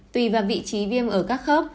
tùy vào vị trí viêm ở các khớp